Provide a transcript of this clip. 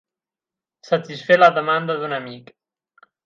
Satisfer la demanda d'un amic.